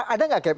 ada nggak keb